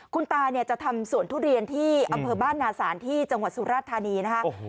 คุณตาเนี่ยจะทำสวนทุเรียนที่อำเภอบ้านนาศาลที่จังหวัดสุราชธานีนะคะ